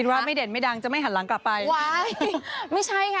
ว่าไม่เด่นไม่ดังจะไม่หันหลังกลับไปว้ายไม่ใช่ค่ะ